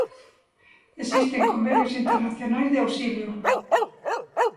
Existen convenios internacionais de auxilio.